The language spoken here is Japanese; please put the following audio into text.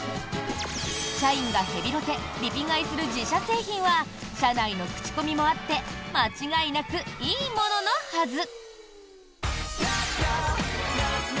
社員がヘビロテ・リピ買いする自社製品は社内のクチコミもあって間違いなくいいもののはず。